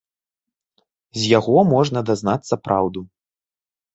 З яго можна дазнацца праўду.